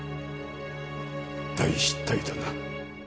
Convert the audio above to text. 大失態だな。